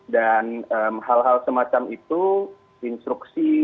dan hal hal semacam itu instruksi